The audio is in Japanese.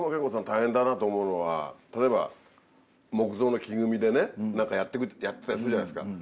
大変だなと思うのは例えば木造の木組みでね何かやってたりするじゃないですか。